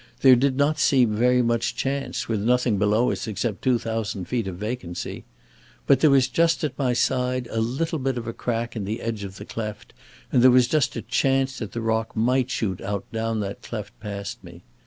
There did not seem very much chance, with nothing below us except two thousand feet of vacancy. But there was just at my side a little bit of a crack in the edge of the cleft, and there was just a chance that the rock might shoot out down that cleft past me.